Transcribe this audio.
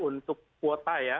untuk kuota ya